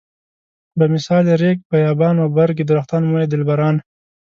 بمثال ريګ بيابان و برګ درختان موی دلبران.